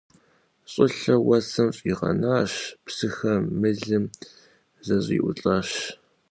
ЩӀылъэр уэсым щӀигъэнащ, псыхэр мылым зэщӀиӀулӀащ.